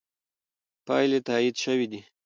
پایلې تایید شوې دي.